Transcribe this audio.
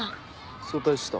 早退した。